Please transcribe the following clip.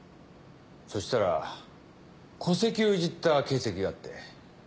そしたら戸籍をいじった形跡があって。